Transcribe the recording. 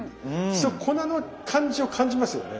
それ粉の感じを感じますよね。